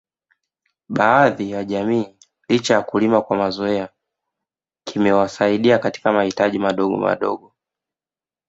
Baadhi ya jamii licha ya kulima kwa mazoea kimewasaidia katika mahitaji madogo madogo